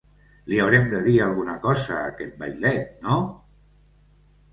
Li haurem de dir alguna cosa a aquest vailet, no?